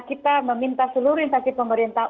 kita meminta seluruh instansi pemerintah